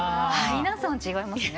皆さん違いますね。